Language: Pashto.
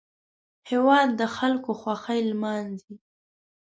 هېواد د خلکو خوښۍ لمانځي